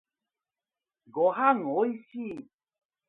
ごはんおいしい